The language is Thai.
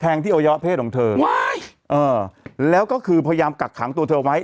ที่อวัยวะเพศของเธอแล้วก็คือพยายามกักขังตัวเธอไว้